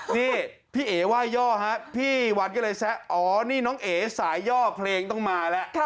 นี่พี่เอ๋ว่าย่อฮะพี่วันก็เลยแซะอ๋อนี่น้องเอ๋สายย่อเพลงต้องมาแล้ว